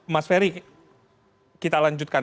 mas ferry kita lanjutkan